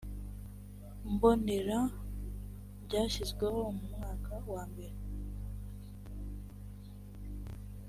mbonera byashyizweho mu mwaka wa mbere